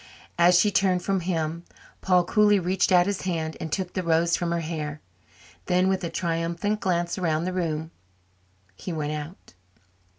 As she turned from him, Paul coolly reached out his hand and took the rose from her hair; then, with a triumphant glance around the room, he went out.